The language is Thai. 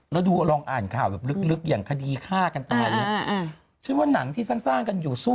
แล้วรองอ่านข่าวแบบลึกอย่างคดีฆ่ากันอะไรอย่างนี้